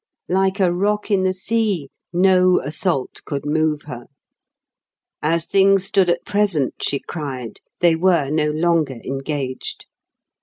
Like a rock in the sea, no assault could move her. As things stood at present, she cried, they were no longer engaged.